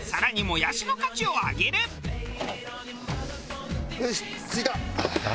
よし着いた。